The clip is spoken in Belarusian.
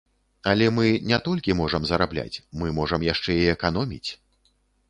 Але мы не толькі можам зарабляць, мы можам яшчэ і эканоміць.